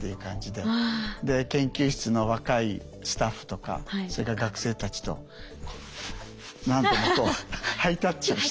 で研究室の若いスタッフとかそれから学生たちと何度もこうハイタッチをして。